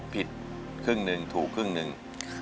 ครึ่งหนึ่งถูกครึ่งหนึ่ง